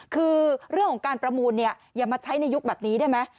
คือเรื่องของการประมูลเนี่ยอย่ามาใช้ในยุคแบบนี้ได้ไหม